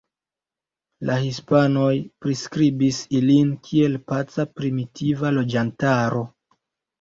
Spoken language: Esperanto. La hispanoj priskribis ilin kiel paca primitiva loĝantaro.